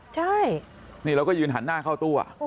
ใช่นี่เราก็ยืนหันหน้าเข้าตู้